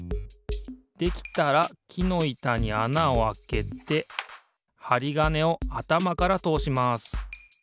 できたらきのいたにあなをあけてはりがねをあたまからとおします。